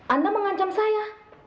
anda mengancam saya